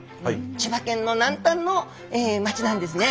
千葉県の南端の町なんですね。